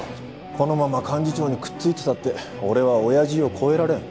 このまま幹事長にくっついてたって俺はおやじを越えられん。